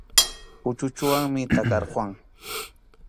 Kuchuchunwanmi takarquwan.